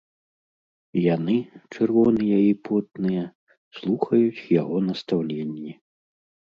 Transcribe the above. Яны, чырвоныя і потныя, слухаюць яго настаўленні.